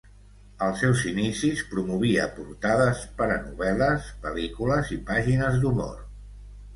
Als seus inicis promovia portades per a novel·les, pel·lícules i pàgines d'humor.